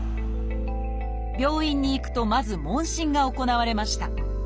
病院に行くとまず問診が行われました。